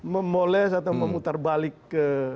memoles atau memutar balik ke